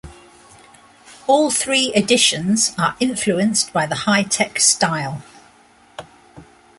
All three additions are influenced by the high-tech style.